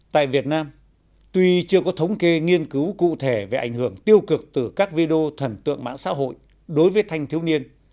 tại việt nam tuy chưa có thống kê nghiên cứu cụ thể về ảnh hưởng tiêu cực từ các video thần tượng mạng xã hội đối với thanh thiếu niên